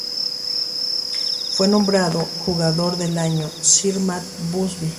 Fue nombrado Jugador del año Sir Matt Busby.